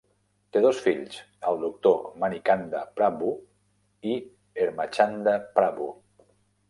Té dos fills, el Doctor Manikanda Prabhu i Hemachandra Prabhu.